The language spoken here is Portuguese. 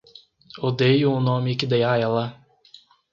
Odeio o nome que dei a ela